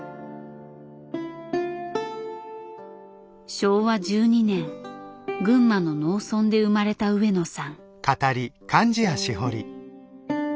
昭和１２年群馬の農村で生まれた上野さん。